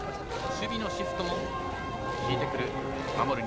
守備のシフトを敷いてくる守る